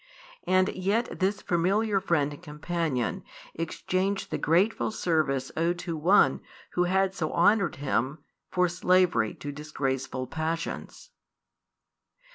And yet this familiar friend and companion exchanged the grateful service owed to One Who had so honoured him for slavery to disgraceful passions.